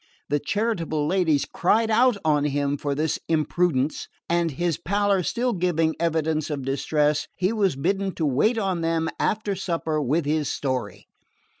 The charitable ladies cried out on him for this imprudence, and his pallor still giving evidence of distress, he was bidden to wait on them after supper with his story.